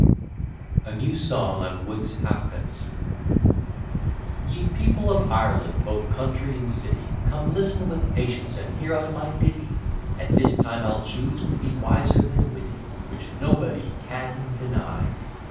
] A NEW SONG ON WOOD'S HALFPENCE Ye people of Ireland, both country and city, Come listen with patience, and hear out my ditty: At this time I'll choose to be wiser than witty. Which nobody can deny.